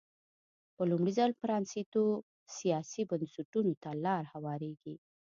په لومړي ځل پرانېستو سیاسي بنسټونو ته لار هوارېږي.